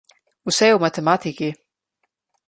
Vse je v matematiki.